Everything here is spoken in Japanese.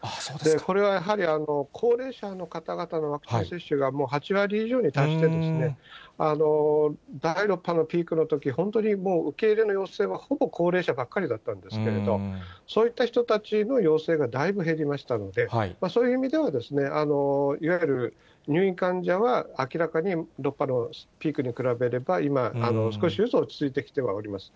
これはやはり、高齢者の方々のワクチン接種が８割以上に達して、第６波のピークのとき、本当に受け入れの要請はほぼ高齢者ばっかりだったんですけれど、そういった人たちの要請がだいぶ減りましたので、そういう意味では、いわゆる入院患者は、明らかに６波のピークに比べれば、今、少しずつ落ち着いてきているとは思います。